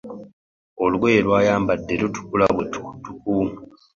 Olugoye lwayambadde lutukula bwe ttukuttuku.